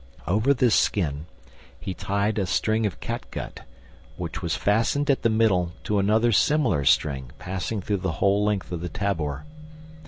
Over this skin he tied a string of catgut, which was fastened at the middle to another similar string passing through the whole length of the tabour.